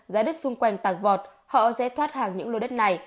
giá đất xung quanh tăng vọt họ sẽ thoát hàng những lô đất này